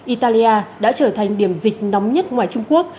italia đã trở thành điểm dịch nóng nhất ngoài trung quốc